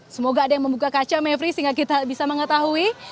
semoga ada yang membuka kaca mevri sehingga kita bisa mengetahui